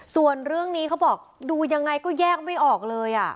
ส่วนเรื่องนี้เขาบอกดูยังไงก็แยกไม่ออกเลย